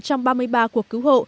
trong ba mươi ba cuộc cứu hộ